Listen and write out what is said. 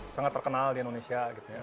sangat terkenal di indonesia